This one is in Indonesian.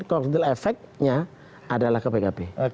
condil efeknya adalah ke pkb